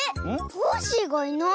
コッシーがいない。